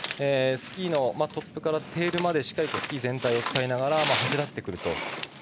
スキーのトップからテールまでしっかりスキー全体を使いながら走らせてくると。